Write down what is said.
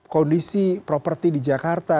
kondisi properti di jakarta